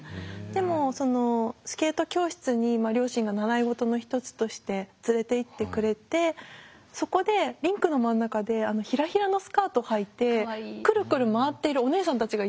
でもそのスケート教室に両親が習い事の一つとして連れていってくれてそこでリンクの真ん中でヒラヒラのスカートはいてクルクル回っているおねえさんたちがいたんですよ。